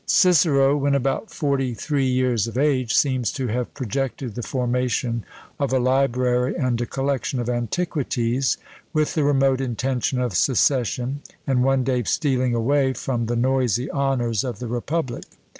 Cicero, when about forty three years of age, seems to have projected the formation of a library and a collection of antiquities, with the remote intention of secession, and one day stealing away from the noisy honours of the republic.